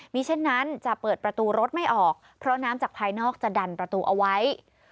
มีเช่นนั้นจะเปิดประตูรถไม่ออกเพราะน้ำจากภายนอกจะดันประตูเอาไว้